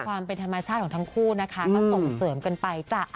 ความเป็นธรรมชาติของทั้งคู่นะคะก็ส่งเสริมกันไปจ้ะ